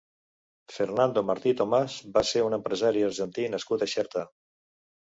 Fernando Martí Tomàs va ser un empresari argentí nascut a Xerta.